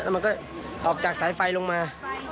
มันก็ออกจากสายไฟลงมา